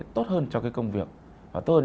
tốt hơn cho cái công việc và tốt hơn